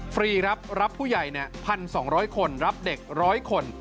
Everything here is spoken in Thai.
ฟรีครับรับผู้ใหญ่๑๒๐๐คนรับเด็ก๑๐๐คน